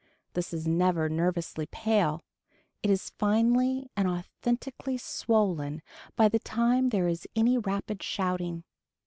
This is never nervously pale. It is finely and authentically swollen by the time there is any rapid shouting.